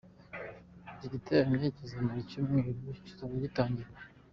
Iki giterane kizamara icyumweru kizajya gitangira.